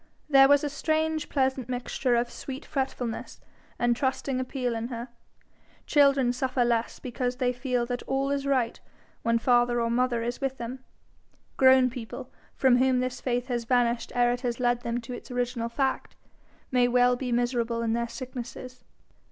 There was a strange pleasant mixture of sweet fretfulness and trusting appeal in her. Children suffer less because they feel that all is right when father or mother is with them; grown people from whom this faith has vanished ere it has led them to its original fact, may well be miserable in their sicknesses.